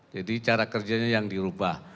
jadi cara kerjanya yang dirubah